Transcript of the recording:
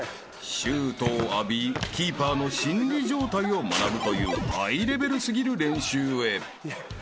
［シュートを浴びキーパーの心理状態を学ぶというハイレベル過ぎる練習へ］